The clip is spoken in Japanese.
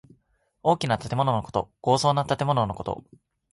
大きな建物のこと。豪壮な建物のこと。